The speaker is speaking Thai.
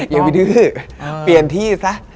อย่าไปดื้อเปลี่ยนที่ซะ